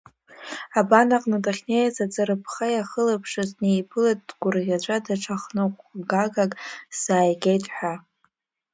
Абанаҟны дахьнеиз, аӡырԥха иахылаԥшыз днеиԥылеит дгәырӷьаҵәа, даҽа хныҟәгагак сзааигеит ҳәа.